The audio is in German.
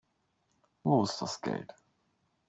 Wo ist das Geld?